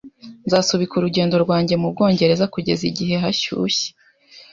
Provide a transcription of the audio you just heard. Nzasubika urugendo rwanjye mu Bwongereza kugeza igihe hashyushye.